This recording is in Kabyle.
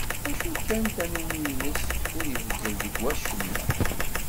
Acu kan tannumi-ines ur ibeddel deg-s wacemma.